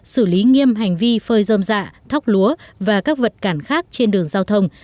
xử lý nghiêm hành vi phơi dơm dạ thóc lúa và các vật cản khác trên đường giao thông